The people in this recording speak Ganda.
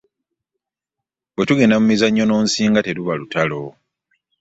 Bwe tugenda mu mizannyo n'onsinga teruba lutalo.